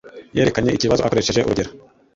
Yerekanye ikibazo akoresheje urugero.